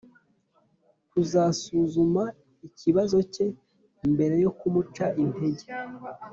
kuzasuzuma ikibazo cye mbere yo kumuca intege